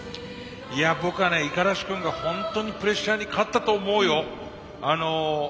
いや僕はね五十嵐君がホントにプレッシャーに勝ったと思うよ。